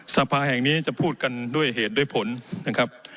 สภาแห่งนี้จะพูดกันด้วยเหตุด้วยผลนะครับ